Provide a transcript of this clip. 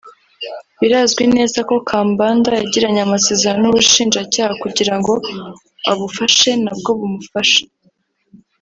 Birazwi neza ko Kambanda yagiranye amasezerano n’ubushinja cyaha kugirango abufashe nabwo bumufashe